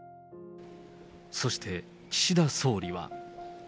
そして岸田総理は。